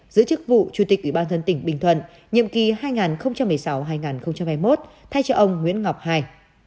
giữ chức vụ chủ tịch ủy ban dân tỉnh bình thuận nhiệm kỳ hai nghìn một mươi sáu hai nghìn hai mươi một thay cho ông nguyễn ngọc hai